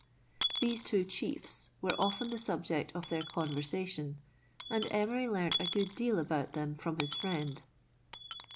These two chiefs were often the subject of their conversation, and Emery learnt a good deal about them from his friend.